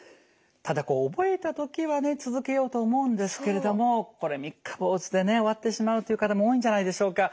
ただこう覚えた時はね続けようと思うんですけれどもこれ三日坊主でね終わってしまうという方も多いんじゃないでしょうか。